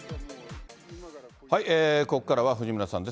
ここからは藤村さんです。